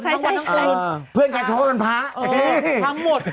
ใช่ใช่ใช่เพื่อนกายเช้ากันพ้าเออทำหมด